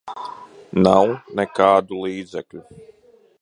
Nav nekādu līdzekļu.